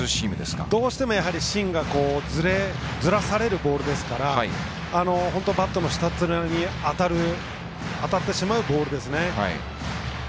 どうしてもやはり芯がずれる、ずらされるボールですから本当にバットの下に当たってしまうボールですね。